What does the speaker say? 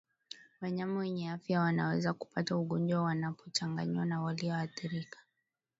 Wanyama wenye afya wanaweza kupata ugonjwa wanapochanganywa na walioathirika